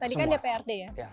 tadi kan dprd ya